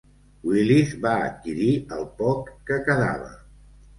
Willys va adquirir el poc que quedava.